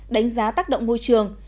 đánh giá tác động môi trường